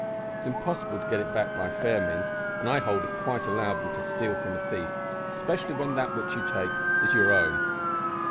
It is impossible to get it back by fair means, and I hold it quite allowable to steal from a thief, especially when that which you take is your own."